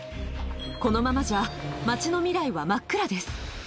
このままじゃ、町の未来は真っ暗です。